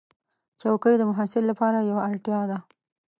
چوکۍ د محصل لپاره یوه اړتیا ده.